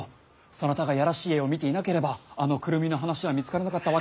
そなたがいやらしい絵を見ていなければあのクルミの話は見つからなかったわけであるし。